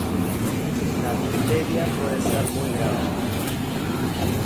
La difteria puede ser muy grave